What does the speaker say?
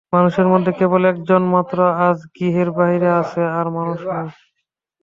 মানুষের মধ্যে কেবল একজন মাত্র আজ গৃহের বাহিরে আছে–আর মানুষ নাই।